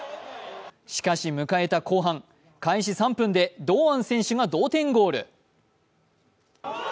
しかし迎えた後半、開始３分で堂安選手が同点ゴール。